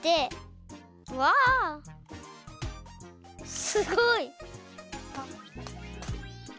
うわすごい！